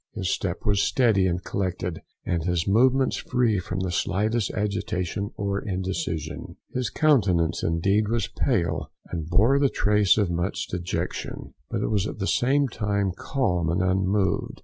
His step was steady and collected, and his movements free from the slightest agitation or indecision. His countenance indeed was pale, and bore the trace of much dejection, but it was at the same time calm and unmoved.